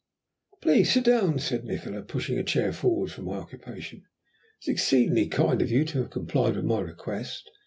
"Please sit down," said Nikola, pushing a chair forward for my occupation. "It is exceedingly kind of you to have complied with my request.